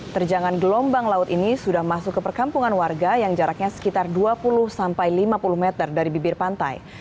terjangan gelombang laut ini sudah masuk ke perkampungan warga yang jaraknya sekitar dua puluh sampai lima puluh meter dari bibir pantai